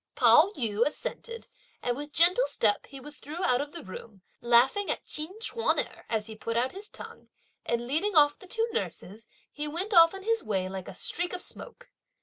Pao yü assented, and, with gentle step, he withdrew out of the room, laughing at Chin Ch'uan erh, as he put out his tongue; and leading off the two nurses, he went off on his way like a streak of smoke.